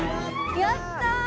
やった！